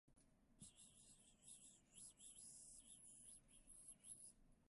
あるとき、平野少年がたずねますと、北村さんは、まってましたとばかり、空とぶ円盤のせつめいをはじめました。